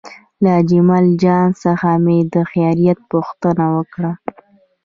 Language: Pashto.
له اجمل جان څخه مې د خیریت پوښتنه وکړه.